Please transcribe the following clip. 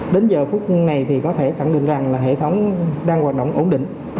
đến giờ phút này thì có thể khẳng định rằng là hệ thống đang hoạt động ổn định